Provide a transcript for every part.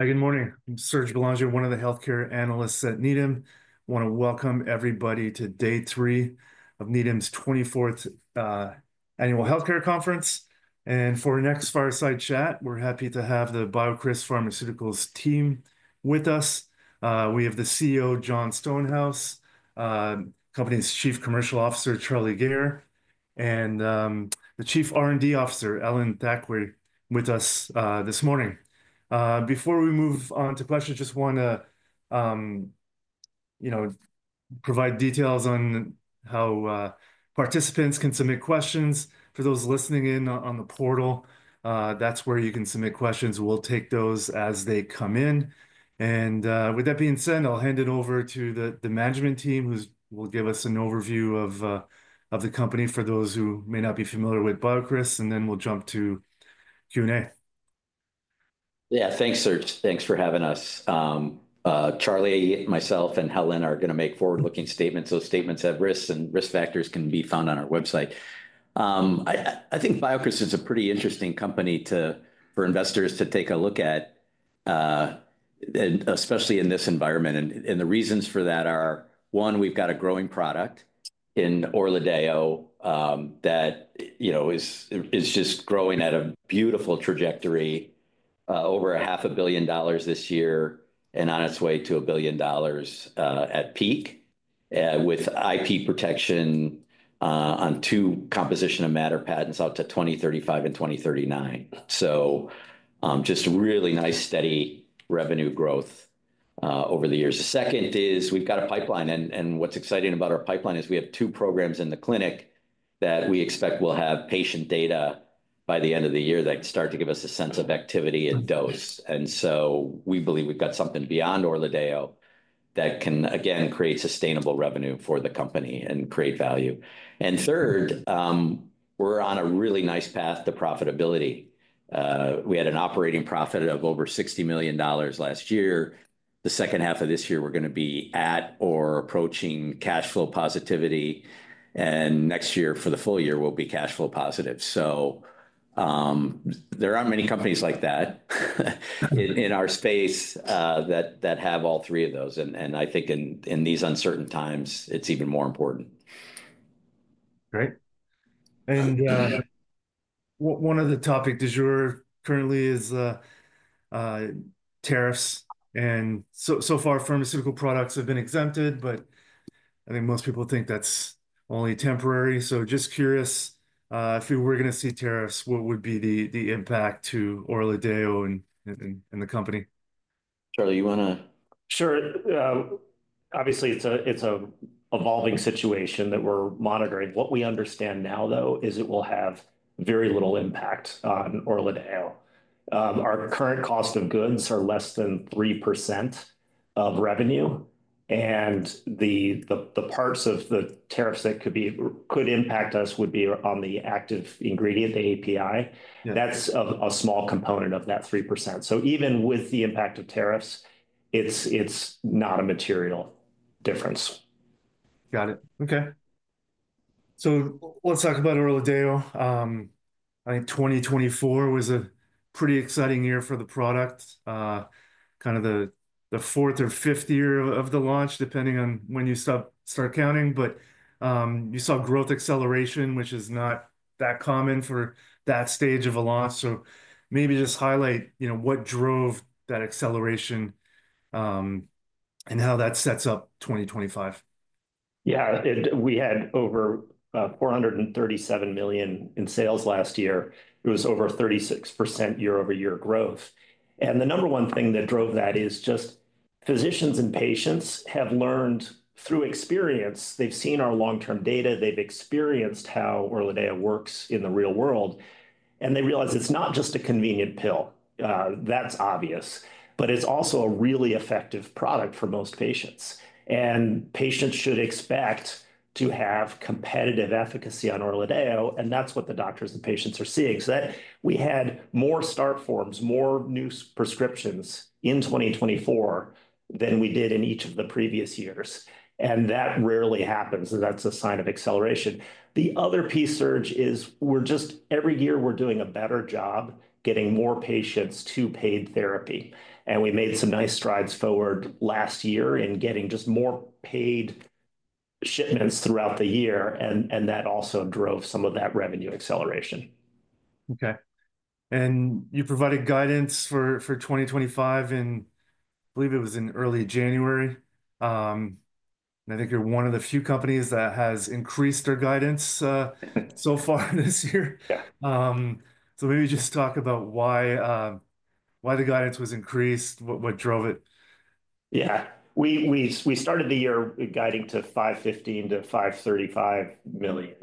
Good morning. I'm Serge Belanger, one of the healthcare analysts at Needham. I want to welcome everybody to day three of Needham's 24th annual healthcare conference. For our next fireside chat, we're happy to have the BioCryst Pharmaceuticals team with us. We have the CEO, Jon Stonehouse, Company's Chief Commercial Officer, Charlie Gayer, and the Chief R&D Officer, Helen Thackray, with us this morning. Before we move on to questions, just want to provide details on how participants can submit questions. For those listening in on the portal, that's where you can submit questions. We'll take those as they come in. With that being said, I'll hand it over to the management team, who will give us an overview of the company for those who may not be familiar with BioCryst, and then we'll jump to Q&A. Yeah, thanks, Serge. Thanks for having us. Charlie, myself, and Helen are going to make forward-looking statements. Those statements have risks, and risk factors can be found on our website. I think BioCryst is a pretty interesting company for investors to take a look at, especially in this environment. The reasons for that are, one, we've got a growing product in ORLADEYO that is just growing at a beautiful trajectory, over $500,000,000 this year, and on its way to $1,000,000,000 at peak, with IP protection on two composition of matter patents out to 2035 and 2039. Just really nice, steady revenue growth over the years. The second is we've got a pipeline. What's exciting about our pipeline is we have two programs in the clinic that we expect will have patient data by the end of the year that can start to give us a sense of activity and dose. We believe we've got something beyond ORLADEYO that can, again, create sustainable revenue for the company and create value. Third, we're on a really nice path to profitability. We had an operating profit of over $60 million last year. The second half of this year, we're going to be at or approaching cash flow positivity. Next year, for the full year, we'll be cash flow positive. There aren't many companies like that in our space that have all three of those. I think in these uncertain times, it's even more important. Great. One of the topics you're currently is tariffs. So far, pharmaceutical products have been exempted, but I think most people think that's only temporary. Just curious, if we were going to see tariffs, what would be the impact to ORLADEYO and the company? Charlie, you want to? Sure. Obviously, it's an evolving situation that we're monitoring. What we understand now, though, is it will have very little impact on ORLADEYO. Our current cost of goods are less than 3% of revenue. The parts of the tariffs that could impact us would be on the active ingredient, the API. That's a small component of that 3%. Even with the impact of tariffs, it's not a material difference. Got it. Okay. Let's talk about ORLADEYO. I think 2024 was a pretty exciting year for the product, kind of the fourth or fifth year of the launch, depending on when you start counting. You saw growth acceleration, which is not that common for that stage of a launch. Maybe just highlight what drove that acceleration and how that sets up 2025. Yeah, we had over $437 million in sales last year. It was over 36% year-over-year growth. The number one thing that drove that is just physicians and patients have learned through experience. They've seen our long-term data. They've experienced how ORLADEYO works in the real world. They realize it's not just a convenient pill. That's obvious. It's also a really effective product for most patients. Patients should expect to have competitive efficacy on ORLADEYO. That's what the doctors and patients are seeing. We had more start forms, more new prescriptions in 2024 than we did in each of the previous years. That rarely happens. That's a sign of acceleration. The other piece, Serge, is we're just every year we're doing a better job getting more patients to paid therapy. We made some nice strides forward last year in getting just more paid shipments throughout the year. That also drove some of that revenue acceleration. Okay. You provided guidance for 2025, and I believe it was in early January. I think you're one of the few companies that has increased their guidance so far this year. Maybe just talk about why the guidance was increased, what drove it. Yeah. We started the year guiding to $550 million to $535 million.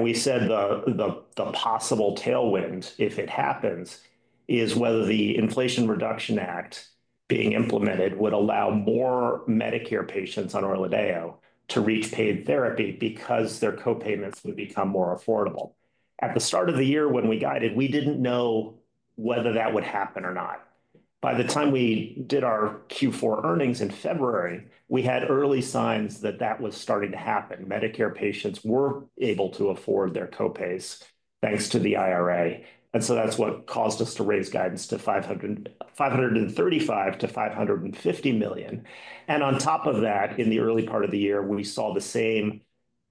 We said the possible tailwind, if it happens, is whether the Inflation Reduction Act being implemented would allow more Medicare patients on ORLADEYO to reach paid therapy because their co-payments would become more affordable. At the start of the year when we guided, we did not know whether that would happen or not. By the time we did our Q4 earnings in February, we had early signs that that was starting to happen. Medicare patients were able to afford their co-pays thanks to the IRA. That is what caused us to raise guidance to $535 million-$550 million. In the early part of the year, we saw the same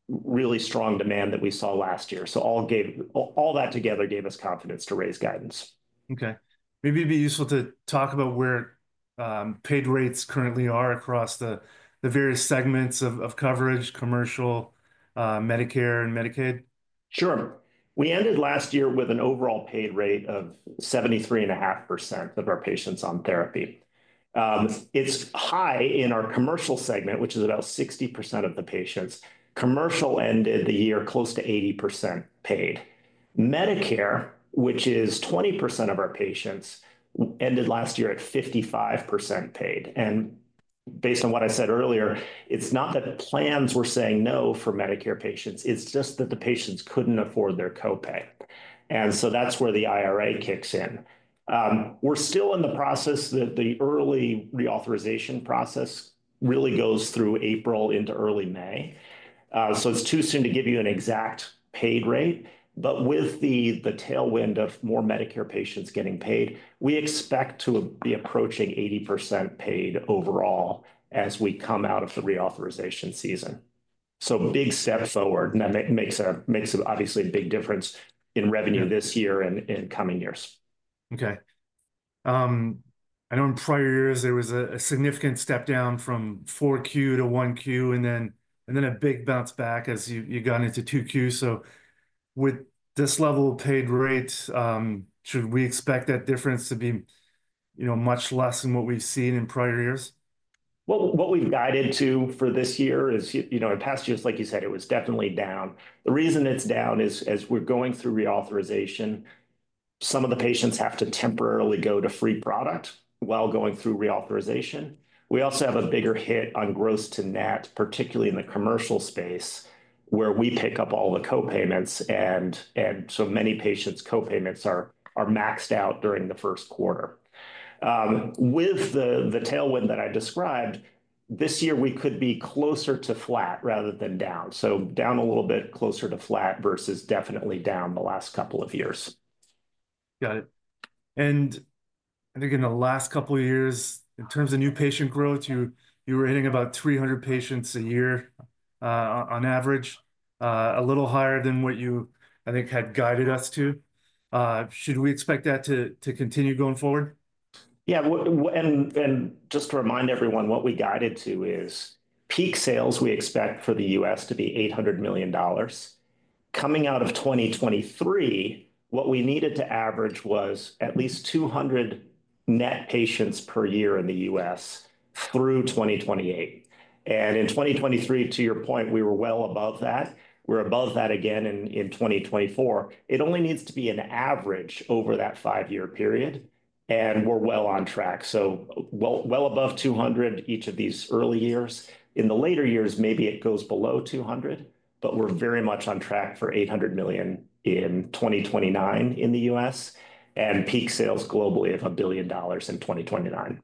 really strong demand that we saw last year. All that together gave us confidence to raise guidance. Okay. Maybe it'd be useful to talk about where paid rates currently are across the various segments of coverage, commercial, Medicare, and Medicaid. Sure. We ended last year with an overall paid rate of 73.5% of our patients on therapy. It's high in our commercial segment, which is about 60% of the patients. Commercial ended the year close to 80% paid. Medicare, which is 20% of our patients, ended last year at 55% paid. Based on what I said earlier, it's not that plans were saying no for Medicare patients. It's just that the patients couldn't afford their co-pay. That is where the IRA kicks in. We're still in the process that the early reauthorization process really goes through April into early May. It is too soon to give you an exact paid rate. With the tailwind of more Medicare patients getting paid, we expect to be approaching 80% paid overall as we come out of the reauthorization season. Big step forward. That makes obviously a big difference in revenue this year and in coming years. Okay. I know in prior years, there was a significant step down from Q4 to Q1, and then a big bounce back as you got into Q2. With this level of paid rate, should we expect that difference to be much less than what we've seen in prior years? What we've guided to for this year is in past years, like you said, it was definitely down. The reason it's down is as we're going through reauthorization, some of the patients have to temporarily go to free product while going through reauthorization. We also have a bigger hit on gross to net, particularly in the commercial space, where we pick up all the co-payments. And so many patients' co-payments are maxed out during the first quarter. With the tailwind that I described, this year, we could be closer to flat rather than down. Down a little bit, closer to flat versus definitely down the last couple of years. Got it. I think in the last couple of years, in terms of new patient growth, you were hitting about 300 patients a year on average, a little higher than what you, I think, had guided us to. Should we expect that to continue going forward? Yeah. Just to remind everyone, what we guided to is peak sales, we expect for the U.S. to be $800 million. Coming out of 2023, what we needed to average was at least 200 net patients per year in the U.S. through 2028. In 2023, to your point, we were well above that. We're above that again in 2024. It only needs to be an average over that five-year period. We're well on track. Well above 200 each of these early years. In the later years, maybe it goes below 200, but we're very much on track for $800 million in 2029 in the U.S. and peak sales globally of $1 billion in 2029.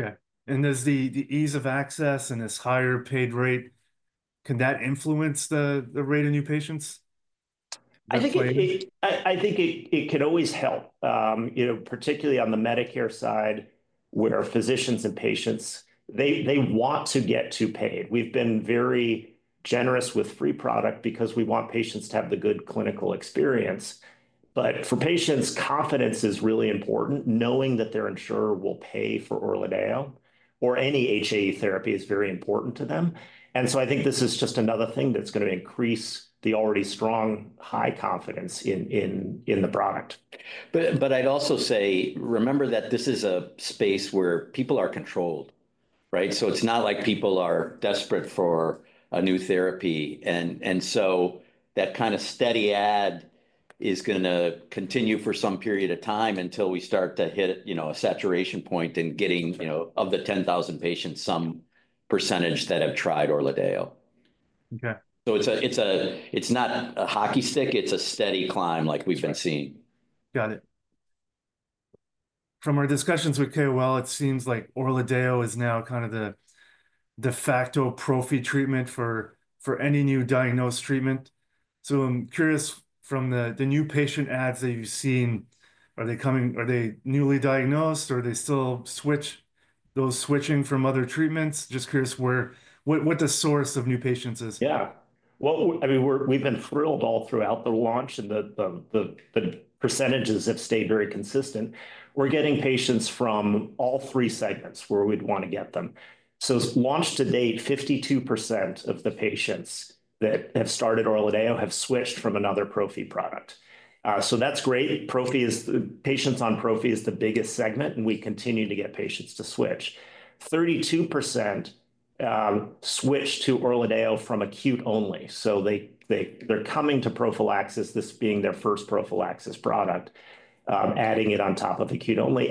Okay. Does the ease of access and this higher paid rate, can that influence the rate of new patients? I think it can always help, particularly on the Medicare side, where physicians and patients, they want to get to paid. We've been very generous with free product because we want patients to have the good clinical experience. For patients, confidence is really important. Knowing that their insurer will pay for ORLADEYO or any HAE therapy is very important to them. I think this is just another thing that's going to increase the already strong high confidence in the product. I'd also say, remember that this is a space where people are controlled, right? It's not like people are desperate for a new therapy. That kind of steady ad is going to continue for some period of time until we start to hit a saturation point and getting of the 10,000 patients, some percentage that have tried ORLADEYO. It's not a hockey stick. It's a steady climb like we've been seeing. Got it. From our discussions with KOL, it seems like ORLADEYO is now kind of the de facto prophy treatment for any new diagnosed treatment. I'm curious, from the new patient ads that you've seen, are they newly diagnosed, or are they still switching from other treatments? Just curious what the source of new patients is. Yeah. I mean, we've been thrilled all throughout the launch, and the percentages have stayed very consistent. We're getting patients from all three segments where we'd want to get them. Launch to date, 52% of the patients that have started ORLADEYO have switched from another prophy product. That's great. Patients on prophy is the biggest segment, and we continue to get patients to switch. 32% switch to ORLADEYO from acute only. They're coming to prophylaxis, this being their first prophylaxis product, adding it on top of acute only.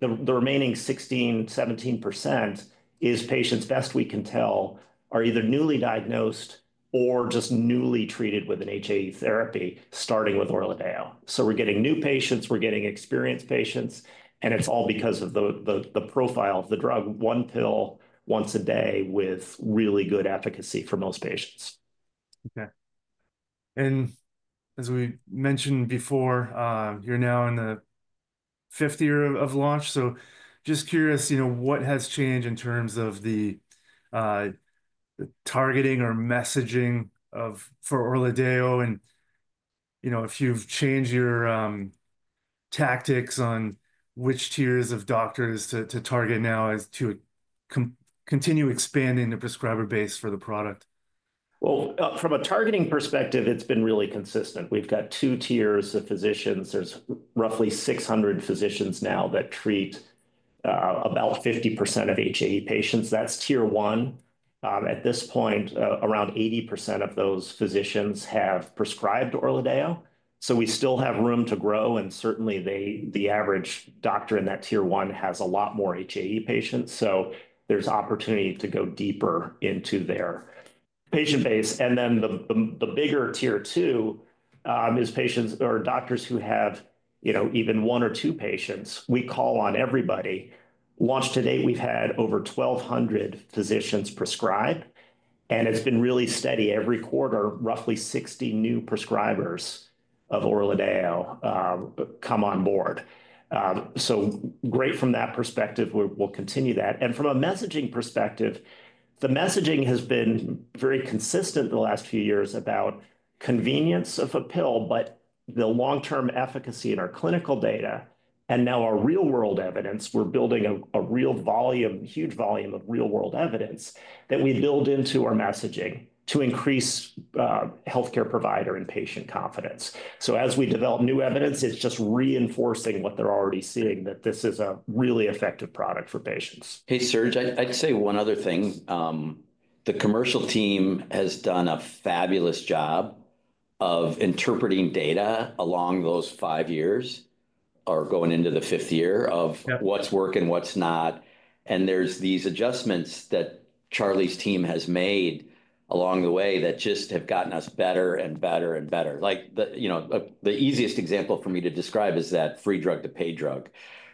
The remaining 16%-17% is patients, best we can tell, are either newly diagnosed or just newly treated with an HAE therapy starting with ORLADEYO. We're getting new patients. We're getting experienced patients. It's all because of the profile of the drug, one pill once a day with really good efficacy for most patients. Okay. As we mentioned before, you're now in the fifth year of launch. Just curious, what has changed in terms of the targeting or messaging for ORLADEYO? If you've changed your tactics on which tiers of doctors to target now to continue expanding the prescriber base for the product? From a targeting perspective, it's been really consistent. We've got two tiers of physicians. There's roughly 600 physicians now that treat about 50% of HAE patients. That's tier one. At this point, around 80% of those physicians have prescribed ORLADEYO. We still have room to grow. Certainly, the average doctor in that tier one has a lot more HAE patients. There's opportunity to go deeper into their patient base. The bigger tier two is patients or doctors who have even one or two patients. We call on everybody. Launch to date, we've had over 1,200 physicians prescribe. It's been really steady. Every quarter, roughly 60 new prescribers of ORLADEYO come on board. Great from that perspective. We'll continue that. From a messaging perspective, the messaging has been very consistent the last few years about convenience of a pill, but the long-term efficacy in our clinical data and now our real-world evidence, we're building a huge volume of real-world evidence that we build into our messaging to increase healthcare provider and patient confidence. As we develop new evidence, it's just reinforcing what they're already seeing, that this is a really effective product for patients. Hey, Serge, I'd say one other thing. The commercial team has done a fabulous job of interpreting data along those five years or going into the fifth year of what's working and what's not. There are these adjustments that Charlie's team has made along the way that just have gotten us better and better and better. The easiest example for me to describe is that free drug to pay drug,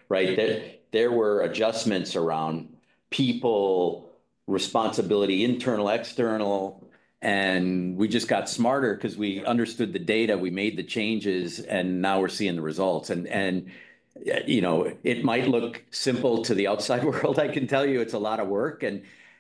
right? There were adjustments around people, responsibility, internal, external. We just got smarter because we understood the data. We made the changes. Now we're seeing the results. It might look simple to the outside world. I can tell you it's a lot of work.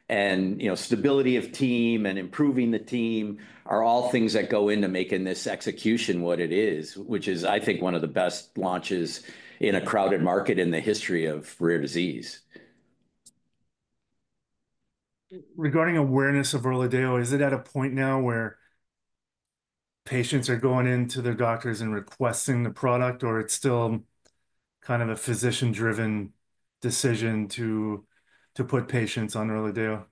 Stability of team and improving the team are all things that go into making this execution what it is, which is, I think, one of the best launches in a crowded market in the history of rare disease. Regarding awareness of ORLADEYO, is it at a point now where patients are going into their doctors and requesting the product, or it's still kind of a physician-driven decision to put patients on ORLADEYO?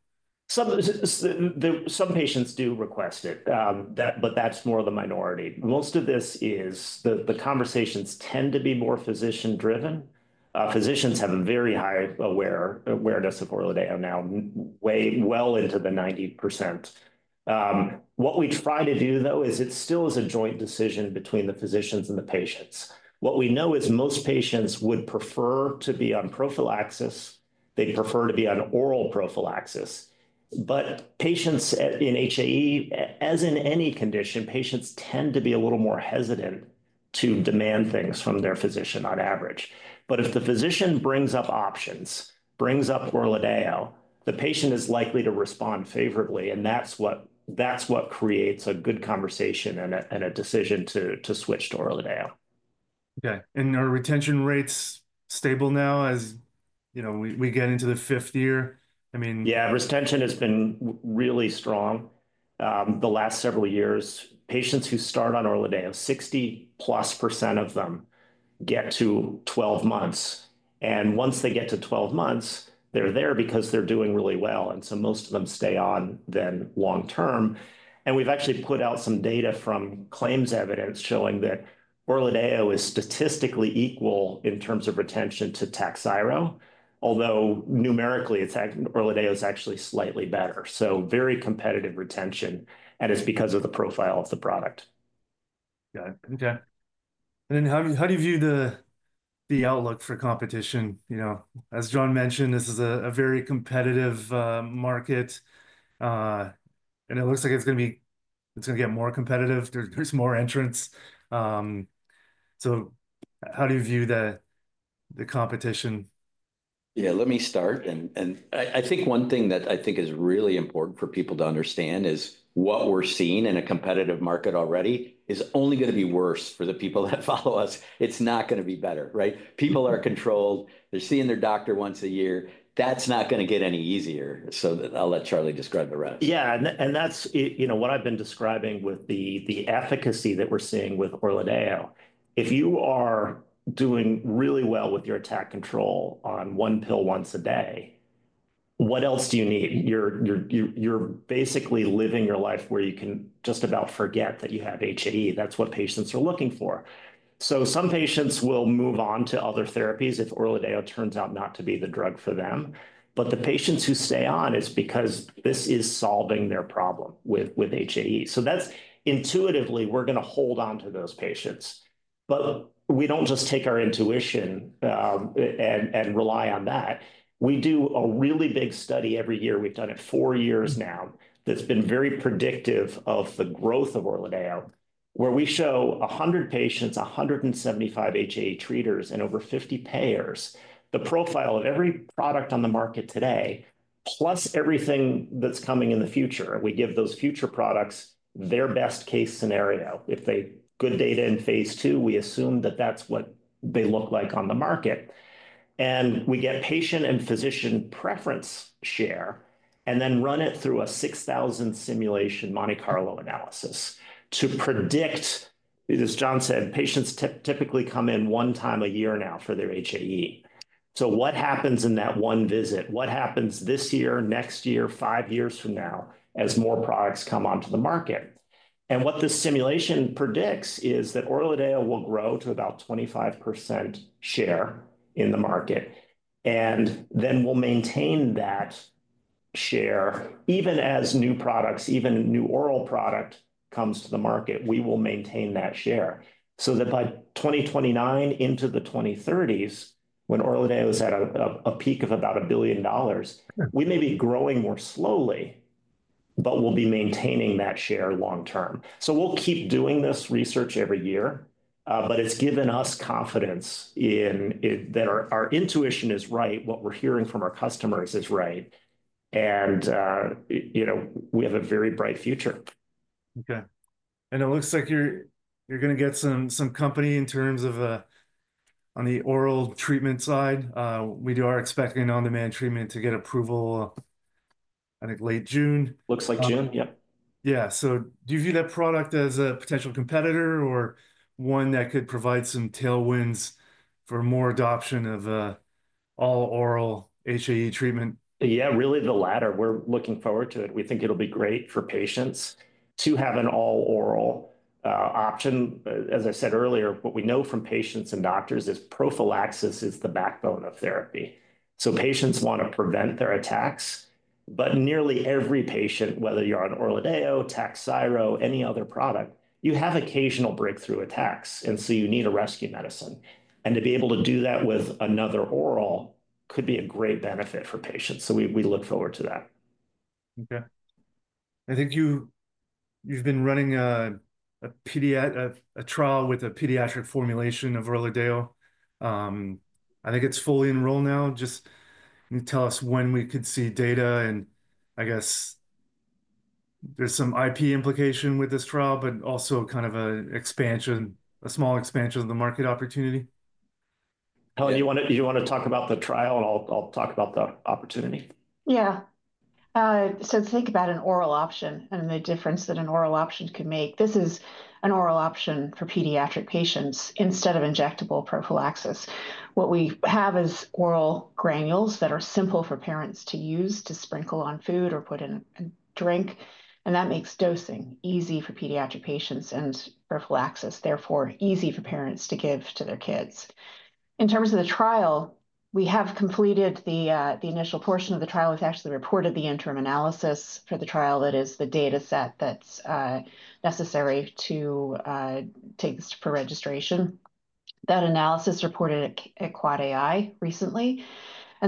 Some patients do request it, but that's more of the minority. Most of this is the conversations tend to be more physician-driven. Physicians have a very high awareness of ORLADEYO now, well into the 90%. What we try to do, though, is it still is a joint decision between the physicians and the patients. What we know is most patients would prefer to be on prophylaxis. They'd prefer to be on oral prophylaxis. Patients in HAE, as in any condition, patients tend to be a little more hesitant to demand things from their physician on average. If the physician brings up options, brings up ORLADEYO, the patient is likely to respond favorably. That's what creates a good conversation and a decision to switch to ORLADEYO. Okay. Are retention rates stable now as we get into the fifth year? I mean. Yeah, retention has been really strong the last several years. Patients who start on ORLADEYO, 60+% of them get to 12 months. Once they get to 12 months, they're there because they're doing really well. Most of them stay on then long-term. We've actually put out some data from claims evidence showing that ORLADEYO is statistically equal in terms of retention to Takhzyro, although numerically, ORLADEYO is actually slightly better. Very competitive retention. It's because of the profile of the product. Got it. Okay. How do you view the outlook for competition? As John mentioned, this is a very competitive market. It looks like it's going to get more competitive. There's more entrance. How do you view the competition? Yeah, let me start. I think one thing that I think is really important for people to understand is what we're seeing in a competitive market already is only going to be worse for the people that follow us. It's not going to be better, right? People are controlled. They're seeing their doctor once a year. That's not going to get any easier. I'll let Charlie describe the rest. Yeah. That is what I have been describing with the efficacy that we are seeing with ORLADEYO. If you are doing really well with your attack control on one pill once a day, what else do you need? You are basically living your life where you can just about forget that you have HAE. That is what patients are looking for. Some patients will move on to other therapies if ORLADEYO turns out not to be the drug for them. The patients who stay on is because this is solving their problem with HAE. Intuitively, we are going to hold on to those patients. We do not just take our intuition and rely on that. We do a really big study every year. We've done it four years now. That's been very predictive of the growth of ORLADEYO, where we show 100 patients, 175 HAE treaters, and over 50 payers the profile of every product on the market today, plus everything that's coming in the future. We give those future products their best-case scenario. If they have good data in phase two, we assume that that's what they look like on the market. We get patient and physician preference share and then run it through a 6,000-simulation Monte Carlo analysis to predict, as Jon said, patients typically come in one time a year now for their HAE. What happens in that one visit? What happens this year, next year, five years from now as more products come onto the market? What this simulation predicts is that ORLADEYO will grow to about 25% share in the market. We will maintain that share even as new products, even new oral product comes to the market. We will maintain that share so that by 2029 into the 2030s, when ORLADEYO is at a peak of about $1 billion, we may be growing more slowly, but we will be maintaining that share long-term. We will keep doing this research every year. It has given us confidence that our intuition is right. What we are hearing from our customers is right. We have a very bright future. Okay. It looks like you're going to get some company in terms of on the oral treatment side. We are expecting non-demand treatment to get approval, I think, late June. Looks like June, yeah. Yeah. Do you view that product as a potential competitor or one that could provide some tailwinds for more adoption of all-oral HAE treatment? Yeah, really the latter. We're looking forward to it. We think it'll be great for patients to have an all-oral option. As I said earlier, what we know from patients and doctors is prophylaxis is the backbone of therapy. Patients want to prevent their attacks. Nearly every patient, whether you're on ORLADEYO, Takhzyro, any other product, you have occasional breakthrough attacks. You need a rescue medicine. To be able to do that with another oral could be a great benefit for patients. We look forward to that. Okay. I think you've been running a trial with a pediatric formulation of ORLADEYO. I think it's fully enrolled now. Just tell us when we could see data. I guess there's some IP implication with this trial, but also kind of a small expansion of the market opportunity. Helen, you want to talk about the trial, and I'll talk about the opportunity. Yeah. Think about an oral option and the difference that an oral option can make. This is an oral option for pediatric patients instead of injectable prophylaxis. What we have is oral granules that are simple for parents to use to sprinkle on food or put in a drink. That makes dosing easy for pediatric patients and prophylaxis, therefore easy for parents to give to their kids. In terms of the trial, we have completed the initial portion of the trial. We've actually reported the interim analysis for the trial. That is the data set that's necessary to take this for registration. That analysis reported at Quad AI recently.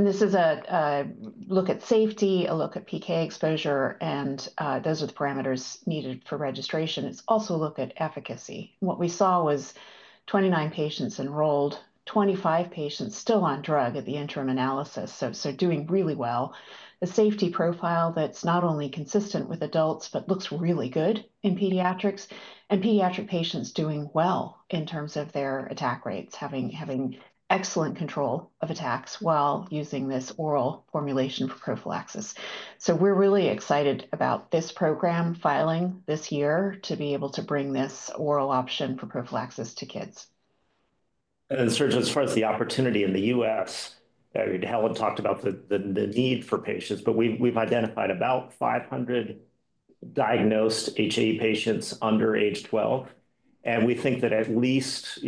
This is a look at safety, a look at PK exposure, and those are the parameters needed for registration. It's also a look at efficacy. What we saw was 29 patients enrolled, 25 patients still on drug at the interim analysis, doing really well. The safety profile is not only consistent with adults, but looks really good in pediatrics. Pediatric patients are doing well in terms of their attack rates, having excellent control of attacks while using this oral formulation for prophylaxis. We are really excited about this program filing this year to be able to bring this oral option for prophylaxis to kids. Serge, as far as the opportunity in the U.S., Helen talked about the need for patients, but we've identified about 500 diagnosed HAE patients under age 12. We think that at least,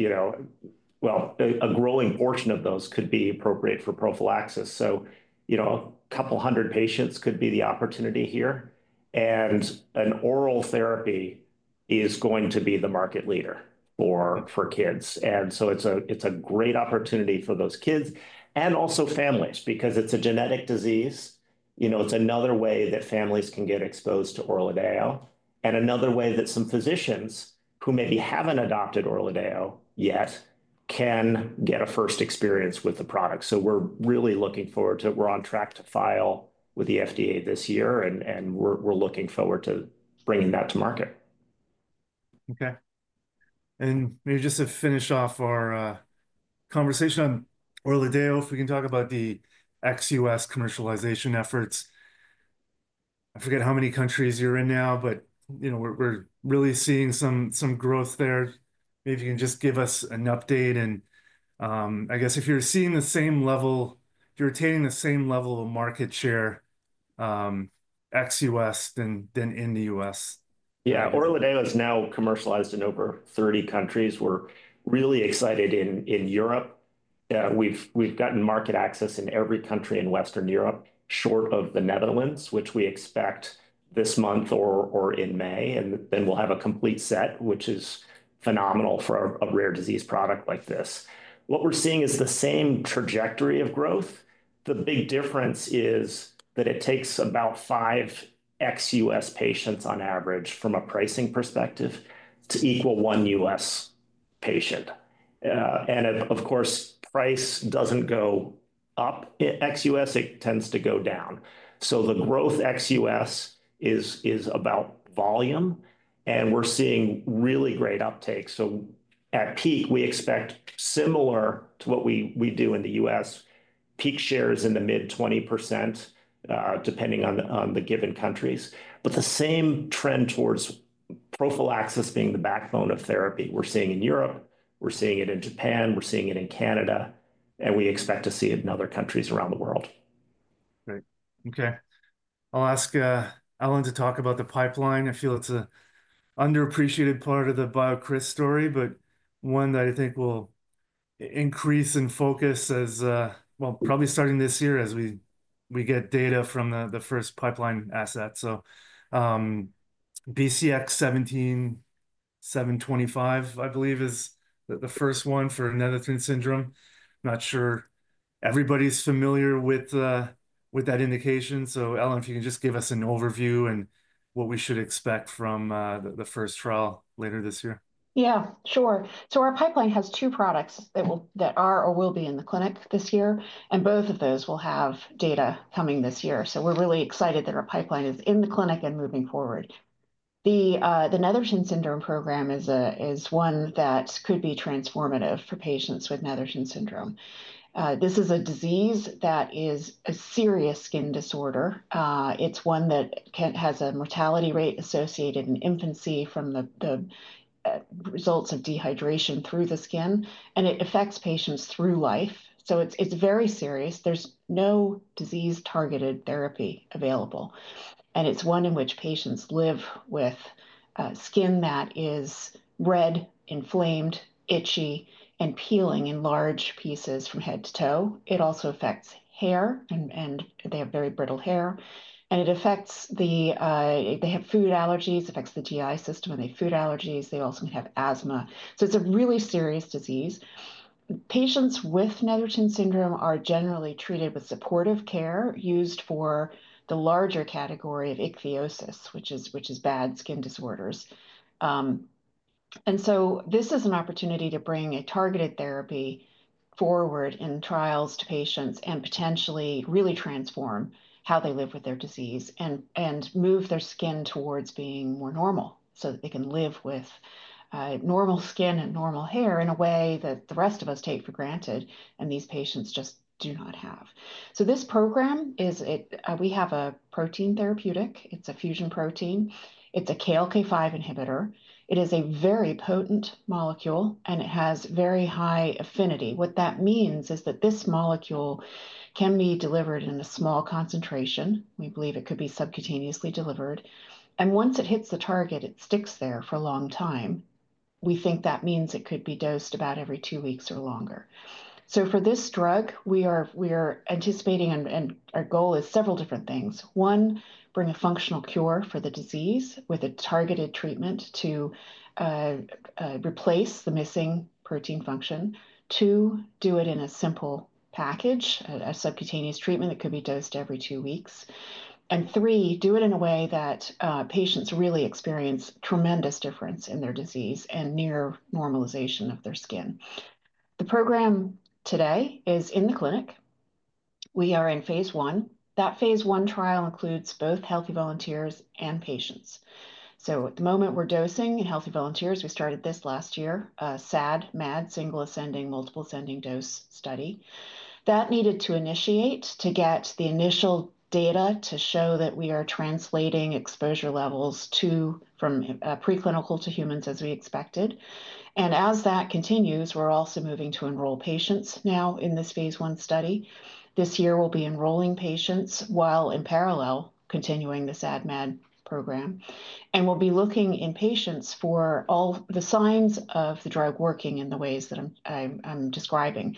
well, a growing portion of those could be appropriate for prophylaxis. A couple hundred patients could be the opportunity here. An oral therapy is going to be the market leader for kids. It is a great opportunity for those kids and also families because it is a genetic disease. It is another way that families can get exposed to ORLADEYO and another way that some physicians who maybe have not adopted ORLADEYO yet can get a first experience with the product. We are really looking forward to it. We are on track to file with the FDA this year. We are looking forward to bringing that to market. Okay. Maybe just to finish off our conversation on ORLADEYO, if we can talk about the ex-U.S. commercialization efforts. I forget how many countries you're in now, but we're really seeing some growth there. Maybe you can just give us an update. I guess if you're seeing the same level, if you're retaining the same level of market share, ex-U.S. than in the U.S. Yeah. ORLADEYO is now commercialized in over 30 countries. We're really excited in Europe. We've gotten market access in every country in Western Europe, short of the Netherlands, which we expect this month or in May. We will have a complete set, which is phenomenal for a rare disease product like this. What we're seeing is the same trajectory of growth. The big difference is that it takes about 5 XUS patients on average from a pricing perspective to equal one US patient. Of course, price does not go up at XUS. It tends to go down. The growth XUS is about volume. We're seeing really great uptake. At peak, we expect similar to what we do in the US, peak shares in the mid 20%, depending on the given countries. The same trend towards prophylaxis being the backbone of therapy. We're seeing in Europe. We're seeing it in Japan. We're seeing it in Canada. We expect to see it in other countries around the world. Right. Okay. I'll ask Helen to talk about the pipeline. I feel it's an underappreciated part of the BioCryst story, but one that I think will increase in focus as, probably starting this year as we get data from the first pipeline asset. So BCX17725, I believe, is the first one for Netherton syndrome. Not sure everybody's familiar with that indication. So Helen, if you can just give us an overview and what we should expect from the first trial later this year. Yeah, sure. Our pipeline has two products that are or will be in the clinic this year. Both of those will have data coming this year. We are really excited that our pipeline is in the clinic and moving forward. The Netherton Syndrome program is one that could be transformative for patients with Netherton Syndrome. This is a disease that is a serious skin disorder. It is one that has a mortality rate associated in infancy from the results of dehydration through the skin. It affects patients through life. It is very serious. There is no disease-targeted therapy available. It is one in which patients live with skin that is red, inflamed, itchy, and peeling in large pieces from head to toe. It also affects hair, and they have very brittle hair. It affects the GI system when they have food allergies. They also can have asthma. It is a really serious disease. Patients with Netherton syndrome are generally treated with supportive care used for the larger category of ichthyosis, which is bad skin disorders. This is an opportunity to bring a targeted therapy forward in trials to patients and potentially really transform how they live with their disease and move their skin towards being more normal so that they can live with normal skin and normal hair in a way that the rest of us take for granted and these patients just do not have. This program is we have a protein therapeutic. It is a fusion protein. It is a KLK5 inhibitor. It is a very potent molecule, and it has very high affinity. What that means is that this molecule can be delivered in a small concentration. We believe it could be subcutaneously delivered. Once it hits the target, it sticks there for a long time. We think that means it could be dosed about every two weeks or longer. For this drug, we are anticipating and our goal is several different things. One, bring a functional cure for the disease with a targeted treatment to replace the missing protein function. Two, do it in a simple package, a subcutaneous treatment that could be dosed every two weeks. Three, do it in a way that patients really experience tremendous difference in their disease and near normalization of their skin. The program today is in the clinic. We are in phase one. That phase one trial includes both healthy volunteers and patients. At the moment, we're dosing in healthy volunteers. We started this last year, SAD, MAD, single ascending, multiple ascending dose study. That needed to initiate to get the initial data to show that we are translating exposure levels from preclinical to humans as we expected. As that continues, we're also moving to enroll patients now in this phase one study. This year, we'll be enrolling patients while in parallel continuing the SAD, MAD program. We'll be looking in patients for all the signs of the drug working in the ways that I'm describing.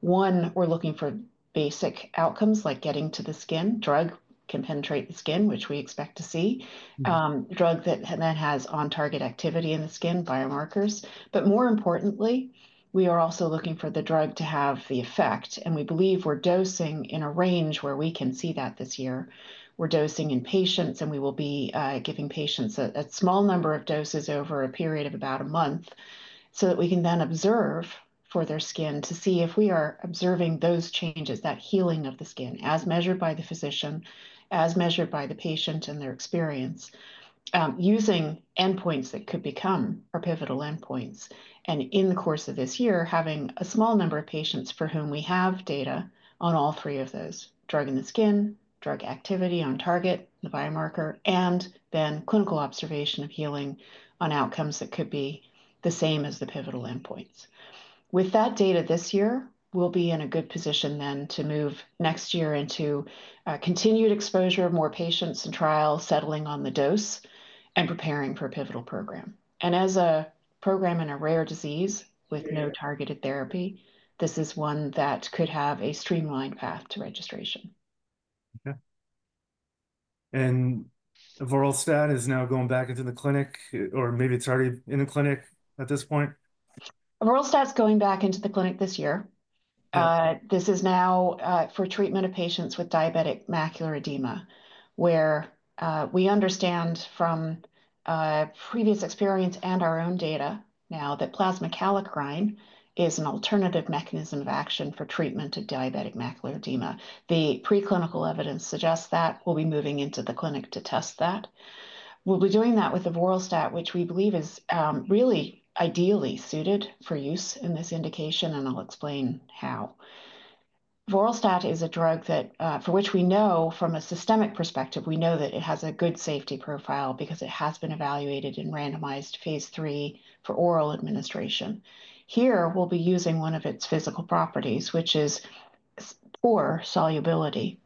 One, we're looking for basic outcomes like getting to the skin. Drug can penetrate the skin, which we expect to see. Drug that then has on-target activity in the skin, biomarkers. More importantly, we are also looking for the drug to have the effect. We believe we're dosing in a range where we can see that this year. We're dosing in patients, and we will be giving patients a small number of doses over a period of about a month so that we can then observe for their skin to see if we are observing those changes, that healing of the skin as measured by the physician, as measured by the patient and their experience, using endpoints that could become our pivotal endpoints. In the course of this year, having a small number of patients for whom we have data on all three of those: drug in the skin, drug activity on target, the biomarker, and then clinical observation of healing on outcomes that could be the same as the pivotal endpoints. With that data this year, we'll be in a good position then to move next year into continued exposure of more patients and trials settling on the dose and preparing for a pivotal program. As a program in a rare disease with no targeted therapy, this is one that could have a streamlined path to registration. Okay. Vorelstad is now going back into the clinic, or maybe it's already in the clinic at this point? Avoralstat is going back into the clinic this year. This is now for treatment of patients with diabetic macular edema, where we understand from previous experience and our own data now that plasma kallikrein is an alternative mechanism of action for treatment of diabetic macular edema. The preclinical evidence suggests that we'll be moving into the clinic to test that. We'll be doing that with the Avoralstat, which we believe is really ideally suited for use in this indication, and I'll explain how. Avoralstat is a drug for which we know from a systemic perspective, we know that it has a good safety profile because it has been evaluated in randomized phase III for oral administration. Here, we'll be using one of its physical properties, which is poor solubility,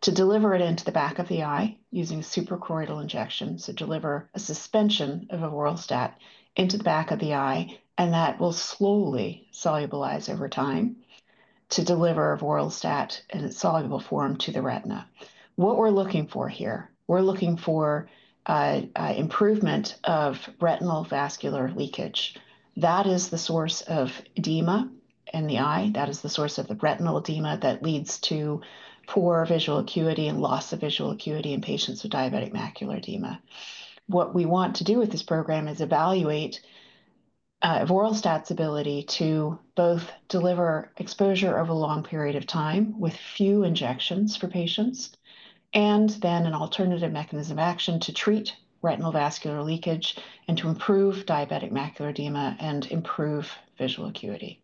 to deliver it into the back of the eye using suprachoroidal injections. To deliver a suspension of Avoralstat into the back of the eye, and that will slowly solubilize over time to deliver Avoralstat in its soluble form to the retina. What we're looking for here, we're looking for improvement of retinal vascular leakage. That is the source of edema in the eye. That is the source of the retinal edema that leads to poor visual acuity and loss of visual acuity in patients with diabetic macular edema. What we want to do with this program is evaluate Avoralstat's ability to both deliver exposure over a long period of time with few injections for patients and then an alternative mechanism of action to treat retinal vascular leakage and to improve diabetic macular edema and improve visual acuity.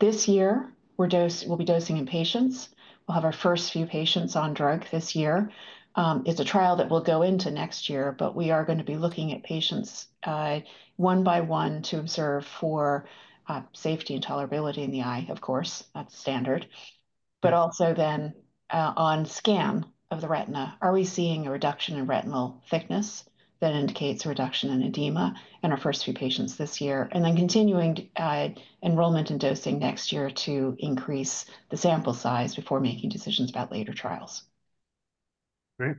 This year, we'll be dosing in patients. We'll have our first few patients on drug this year. It's a trial that will go into next year, but we are going to be looking at patients one by one to observe for safety and tolerability in the eye, of course, that's standard. Also, on scan of the retina, are we seeing a reduction in retinal thickness that indicates a reduction in edema in our first few patients this year? Then continuing enrollment and dosing next year to increase the sample size before making decisions about later trials. Great.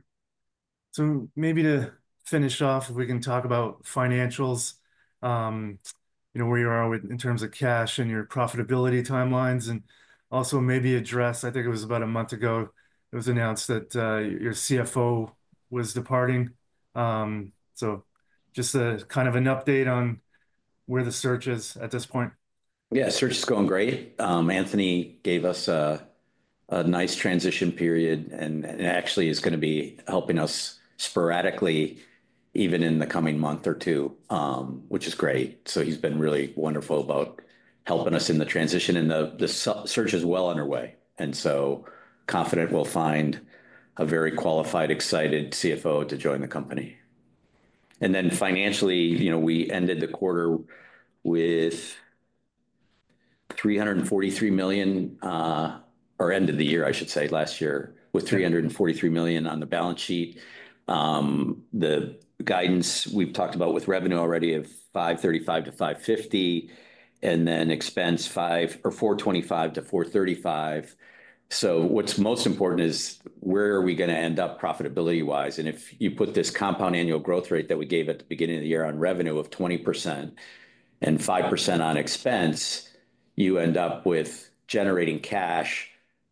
Maybe to finish off, if we can talk about financials, where you are in terms of cash and your profitability timelines, and also maybe address, I think it was about a month ago, it was announced that your CFO was departing. Just kind of an update on where the search is at this point? Yeah, search is going great. Anthony gave us a nice transition period and actually is going to be helping us sporadically even in the coming month or two, which is great. He's been really wonderful about helping us in the transition, and the search is well underway. Confident we'll find a very qualified, excited CFO to join the company. Financially, we ended the quarter with $343 million or end of the year, I should say, last year with $343 million on the balance sheet. The guidance we've talked about with revenue already of $535 million-$550 million and then expense of $425 million-$435 million. What's most important is where are we going to end up profitability-wise? If you put this compound annual growth rate that we gave at the beginning of the year on revenue of 20% and 5% on expense, you end up with generating cash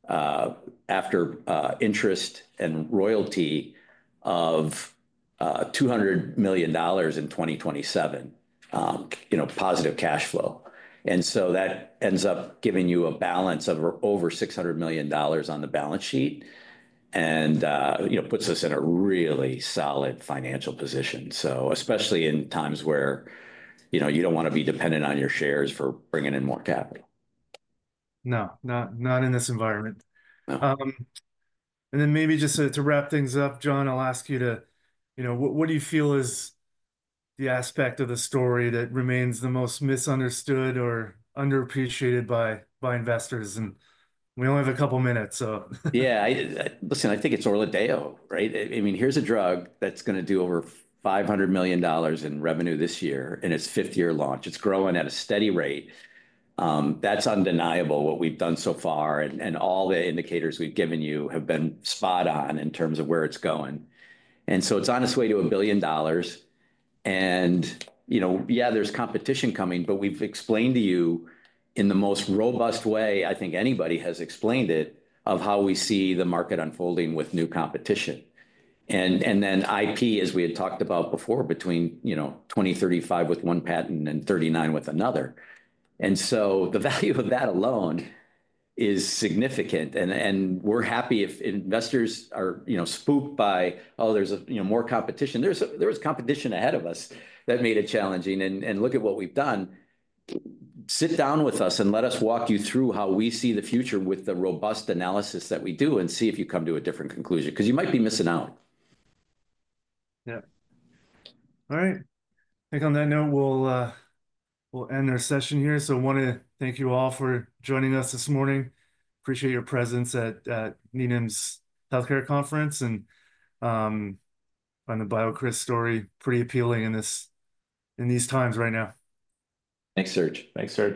after interest and royalty of $200 million in 2027, positive cash flow. That ends up giving you a balance of over $600 million on the balance sheet and puts us in a really solid financial position, especially in times where you don't want to be dependent on your shares for bringing in more capital. No, not in this environment. Maybe just to wrap things up, John, I'll ask you, what do you feel is the aspect of the story that remains the most misunderstood or underappreciated by investors? We only have a couple of minutes. Yeah. Listen, I think it's ORLADEYO, right? I mean, here's a drug that's going to do over $500 million in revenue this year, and it's fifth-year launch. It's growing at a steady rate. That's undeniable what we've done so far, and all the indicators we've given you have been spot on in terms of where it's going. It's on its way to a billion dollars. Yeah, there's competition coming, but we've explained to you in the most robust way I think anybody has explained it of how we see the market unfolding with new competition. IP, as we had talked about before, between 2035 with one patent and 2039 with another. The value of that alone is significant. We're happy if investors are spooked by, "Oh, there's more competition." There was competition ahead of us that made it challenging. Look at what we've done. Sit down with us and let us walk you through how we see the future with the robust analysis that we do and see if you come to a different conclusion because you might be missing out. Yeah. All right. I think on that note, we'll end our session here. I want to thank you all for joining us this morning. Appreciate your presence at Needham's healthcare conference and find the BioCryst story pretty appealing in these times right now. Thanks, Serge. Thanks for.